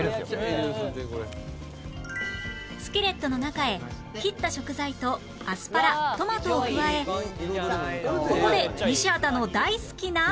スキレットの中へ切った食材とアスパラトマトを加えここで西畑の大好きな